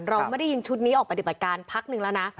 เราไม่ได้ยินชุดนี้ออกปฏิบัติการพักหนึ่งแล้วนะ